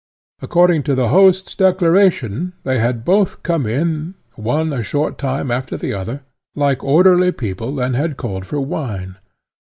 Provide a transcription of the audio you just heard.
According to the host's declaration, they had both come in one a short time after the other like orderly people, and had called for wine.